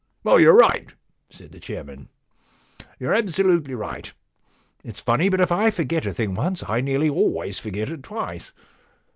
* You're right,' said the chairman ;* you're absolutely right. It's funny, but if I forget a thing once I nearly always forget it twice.